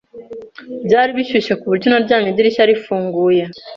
Byari bishyushye kuburyo naryamye idirishya rifunguye.